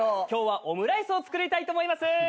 今日はオムライスを作りたいと思います！